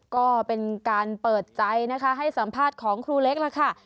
ก็เป็นการเปิดใจนะคะให้สัมภาษณ์ของครูเล็กล่ะค่ะ